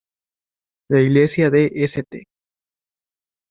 La Iglesia de St.